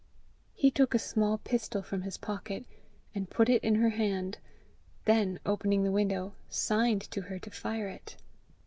He took a small pistol from his pocket, and put it in her hand; then, opening the window, signed to her to fire it.